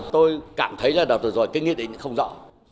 tôi cảm thấy là đọc được rồi cái nghị định không rõ